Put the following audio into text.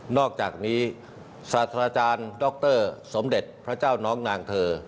อกจากนี้ศาสตราจารย์ดรสมเด็จพระเจ้าน้องนางเธอ